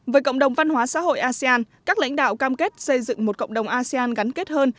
với cộng đồng văn hóa xã hội asean các lãnh đạo cam kết xây dựng một cộng đồng asean gắn kết hơn